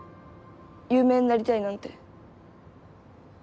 有名になりたいなんて。